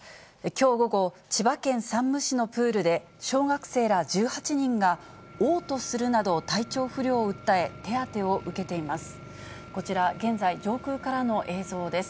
きょう午後、千葉県山武市のプールで、小学生ら１８人がおう吐するなど、体調不良を訴え、手当てを受けています。